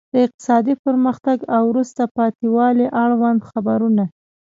د اقتصادي پرمختګ او وروسته پاتې والي اړوند خبرونه.